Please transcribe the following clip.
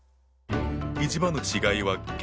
一番の違いは原料。